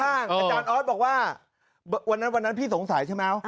อาจารย์ออสบอกว่าวันนั้นวันนั้นพี่สงสัยใช่ไหม